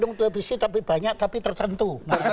oknum politisi tapi banyak tapi tertentu